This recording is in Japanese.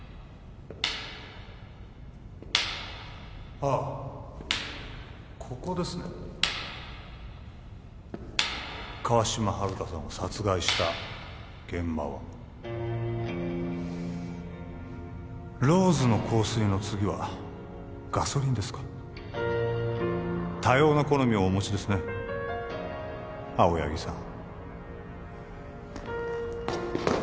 ああここですね川島春香さんを殺害した現場はローズの香水の次はガソリンですか多様な好みをお持ちですね青柳さん